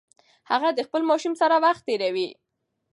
هغه د خپل ماشوم سره وخت تیروي.